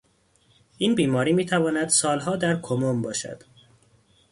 این بیماری میتواند سالها در کمون باشد.